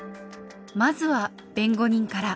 まずは弁護人から。